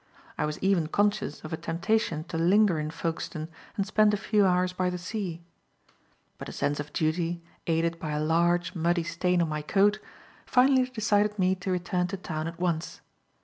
I was even conscious of a temptation to linger in Folkestone and spend a few hours by the sea; but a sense of duty, aided by a large, muddy stain on my coat, finally decided me to return to town at once.